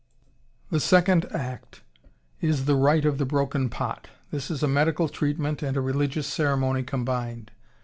The second act is the rite of the broken pot.... This is a medical treatment and a religious ceremony combined.